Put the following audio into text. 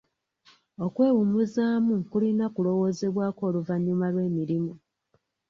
Okwewummuzaamu kulina kulowoozebwako oluvannyuma lw'emirimu.